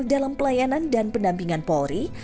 dalam pelayanan dan pendampingan polri